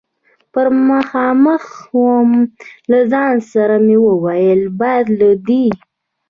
پر مخامخ ووم، له ځان سره مې وویل: باید له دې.